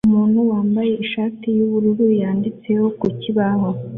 Umuntu wambaye ishati yubururu yanditseho ku kibaho